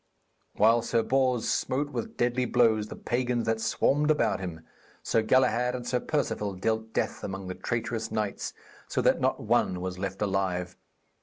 While Sir Bors smote with deadly blows the pagans that swarmed about him, Sir Galahad and Sir Perceval dealt death among the traitorous knights, so that not one was left alive.